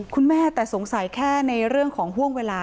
คุณแม่แต่สงสัยแค่ในเรื่องของห่วงเวลา